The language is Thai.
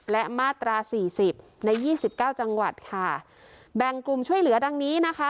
และมาตราสี่สิบในยี่สิบเก้าจังหวัดค่ะแบ่งกลุ่มช่วยเหลือดังนี้นะคะ